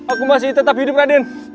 aku masih tetap hidup raden